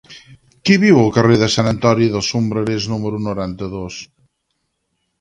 Qui viu al carrer de Sant Antoni dels Sombrerers número noranta-dos?